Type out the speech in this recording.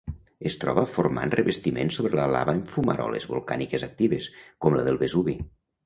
Es troba formant revestiments sobre la lava en fumaroles volcàniques actives, com la del Vesuvi.